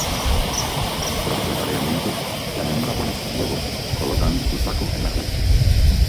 Tras el apareamiento, la hembra pone sus huevos, colocando su saco en la red.